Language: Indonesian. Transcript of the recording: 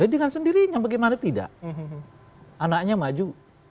dengan sendirinya bagaimana tidak anaknya maju